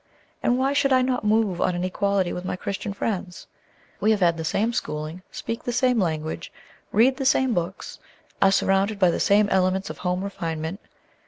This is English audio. And why should I not move on an equality with my Christian friends? We have had the same schooling, speak the same language, read the same books, are surrounded by the same elements of home refinement.